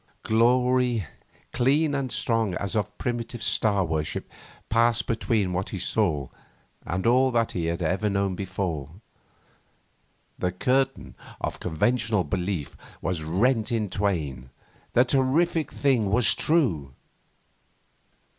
Glory, clean and strong as of primitive star worship, passed between what he saw and all that he had ever known before. The curtain of conventional belief was rent in twain. The terrific thing was true....